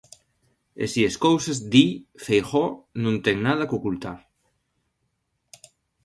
Así as cousas, di, Feijóo non ten "nada que ocultar".